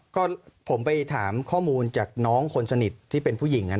ก็ผมไปถามข้อมูลจากน้องคนสนิทที่เป็นผู้หญิง